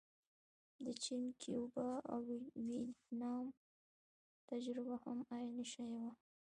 د چین، کیوبا او ویتنام تجربه هم عین شی وه.